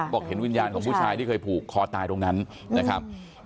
เห็นวิญญาณของผู้ชายที่เคยผูกคอตายตรงนั้นนะครับ